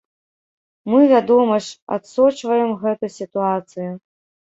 Мы, вядома ж, адсочваем гэту сітуацыю.